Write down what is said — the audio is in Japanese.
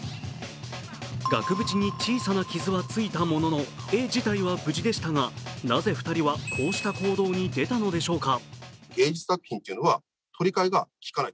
額縁に小さな傷はついたものの、絵自体は無事でしたが、なぜ２人はこうした行動に出たのでしょうか。